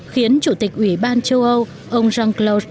khiến chủ tịch ủy ban châu âu ông jean claude